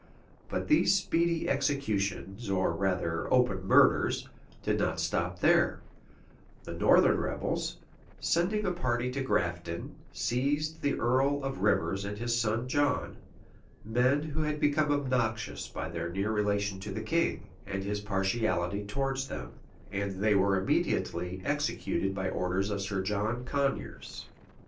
But these speedy executions, or rather open murders, did not stop there: the northern rebels, sending a party to Grafton, seized the earl of Rivers and his son John; men who had become obnoxious by their near relation to the king, and his partiality towards them: and they were immediately executed by orders from Sir John Coniers.